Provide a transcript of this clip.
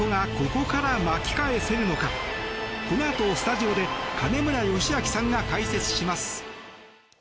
このあと、スタジオで金村義明さんが解説します。